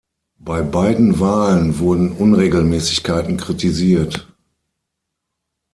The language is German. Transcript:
Bei beiden Wahlen wurden Unregelmäßigkeiten kritisiert.